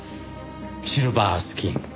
シルバースキン。